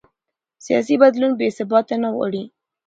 سیاسي بدلون بې ثباتي نه غواړي